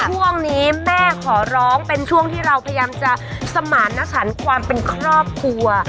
ช่วงนี้แม่ขอร้องเป็นช่วงที่เราพยายามจะสมารณสันความเป็นครอบครัว